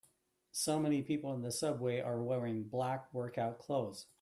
So many people on the subway are wearing black workout clothes.